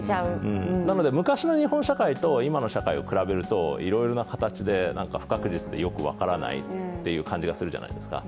なので昔の日本社会と今の社会を比べるといろいろな形で、不確実でよく分からない感じがするじゃないですか。